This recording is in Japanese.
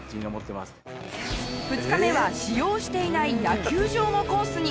２日目は使用していない野球場もコースに！